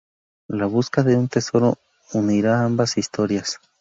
La búsqueda de un tesoro unirá ambas historias.